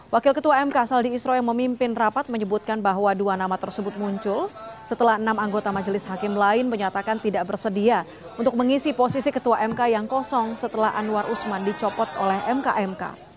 wakil ketua mk saldi isro yang memimpin rapat menyebutkan bahwa dua nama tersebut muncul setelah enam anggota majelis hakim lain menyatakan tidak bersedia untuk mengisi posisi ketua mk yang kosong setelah anwar usman dicopot oleh mk mk